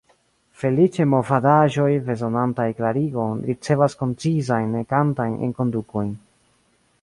Feliĉe, movadaĵoj, bezonantaj klarigon, ricevas koncizajn nekantajn enkondukojn.